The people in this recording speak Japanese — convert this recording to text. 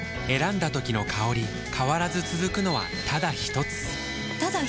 選んだ時の香り変わらず続くのはただひとつ？